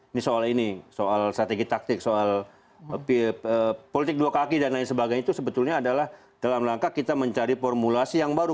ini soal ini soal strategi taktik soal politik dua kaki dan lain sebagainya itu sebetulnya adalah dalam rangka kita mencari formulasi yang baru